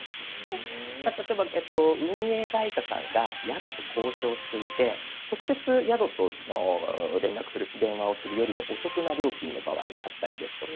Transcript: まあ例えば運営会社さんが宿と交渉していて直接宿と連絡する電話をするよりもお得な料金の場合があったりですとか。